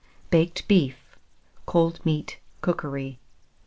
BAKED BEEF (Cold Meat Cookery).